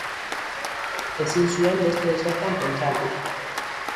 Ezin zuen beste ezertan pentsatu.